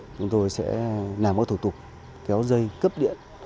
chúng tôi sẽ làm các thủ tục kéo dây cấp điện